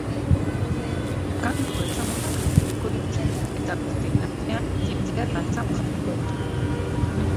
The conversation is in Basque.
Kantu ezagunak joko dituzte eta guztien artean jendea dantzan jarriko dute.